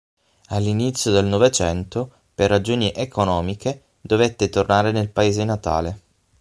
All'inizio del Novecento, per ragioni economiche, dovette tornare nel paese natale.